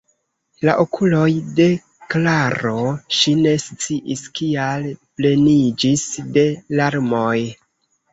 La okuloj de Klaro, ŝi ne sciis kial, pleniĝis de larmoj.